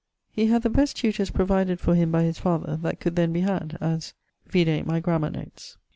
He had the best tutors provided for him by his father that could then be had, as ... Vide my Grammar[BY] notes.